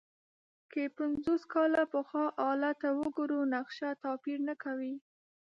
که پنځوس کاله پخوا حالت ته وګورو، نقشه توپیر نه کوي.